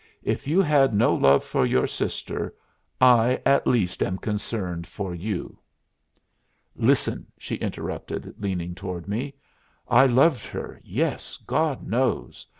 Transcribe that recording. "If you had no love for your sister I, at least, am concerned for you." "Listen," she interrupted, leaning toward me. "I loved her, yes, God knows!